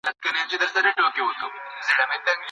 که د ښار په دروازو کي چک پوسټونه وي، نو قاچاق نه راداخلیږي.